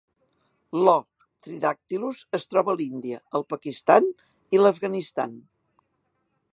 L'O. tridactylus es troba a l'Índia, el Pakistan i l'Afganistan.